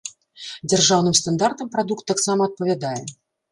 Дзяржаўным стандартам прадукт таксама адпавядае.